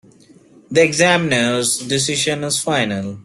The examiner’s decision is final.